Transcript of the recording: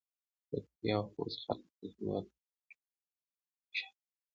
پکتيا او خوست خلک د هېواد په هر ډول پرمختګ کې خوشحالي کوي.